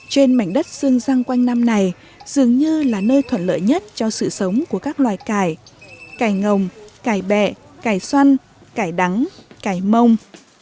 trên mảnh đất sương răng quanh năm này dường như là nơi thuận lợi nhất cho sự sống của các loài cải ngồng cải bẹ cải xoăn cải đắng cải mông